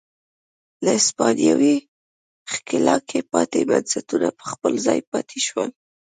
له هسپانوي ښکېلاکه پاتې بنسټونه پر خپل ځای پاتې شول.